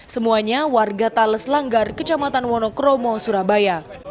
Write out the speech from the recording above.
semuanya warga tales langgar kecamatan wonokromo surabaya